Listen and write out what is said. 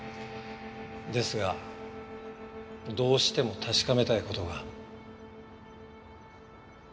ですがどうしても確かめたい事が。